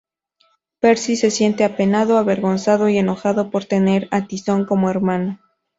Percy se siente apenado, avergonzado y enojado por tener a Tyson como hermano.